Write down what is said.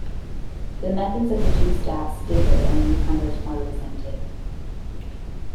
The methods of the two staffs differed and the newcomers were resented.